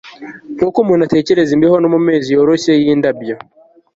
nkuko umuntu atekereza imbeho no mumezi yoroheje yindabyo